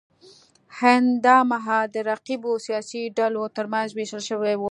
هند دا مهال د رقیبو سیاسي ډلو ترمنځ وېشل شوی و.